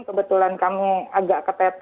kebetulan kami agak keteter gitu lho